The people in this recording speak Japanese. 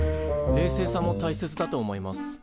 冷静さもたいせつだと思います。